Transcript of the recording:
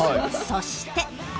そして